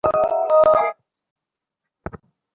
তৈলধারার মত মনটা এক বিষয়ে লাগিয়ে রাখতে হয়।